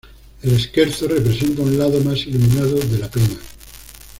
El "scherzo" representa un lado más iluminado de la pena.